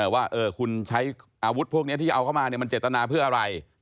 ว่าคุณใช้อาวุธพวกนี้ที่เอาเข้ามามันเจตนาเพื่ออะไร